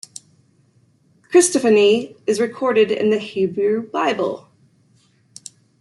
Christophany, is recorded in the Hebrew Bible.